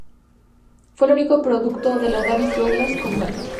Fue el único producto de la Davis-Douglas Company.